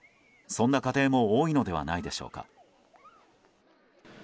そんな家庭も多いのではないでしょうか。